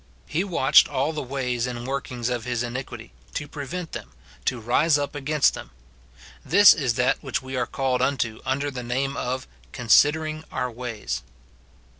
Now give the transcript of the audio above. He watched all the ways and workings of his iniquity, to prevent them, to rise up against them. This is that which we are called unto under the name of " considering our ways."